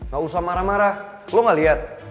ga usah marah marah lo ga liat